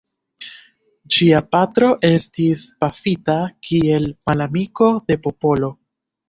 Ŝia patro estis pafita kiel «malamiko de popolo».